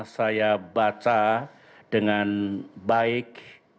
saya baca dengan baik